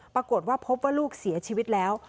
ปรากฏว่าพบว่าลูกเสียชีวิตแล้ว